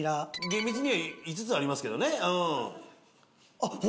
厳密には５つありますけどね。